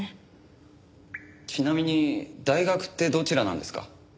ちなみに大学ってどちらなんですか？